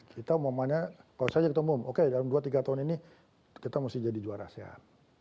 kalau saja kita umum oke dalam dua tiga tahun ini kita harus jadi juara asean